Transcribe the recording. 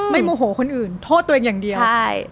โมโหคนอื่นโทษตัวเองอย่างเดียว